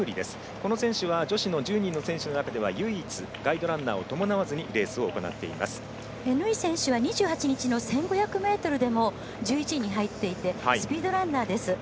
この選手は女子の１０人の選手の中では唯一ガイドランナーを伴わずにエヌーリ選手は２８日の１５００ｍでも１１位に入っていてスピードランナーです。